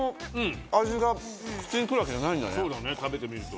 そうだね食べてみると。